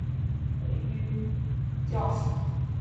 沙勿略成为第一位踏上日本国土的天主教传教士。